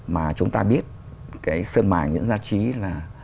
mà chúng ta biết cái sơn mài nguyễn giang trí là